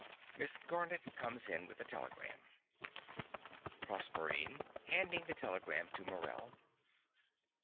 (Miss Garnett comes in with a telegram.) PROSERPINE (handing the telegram to Morell).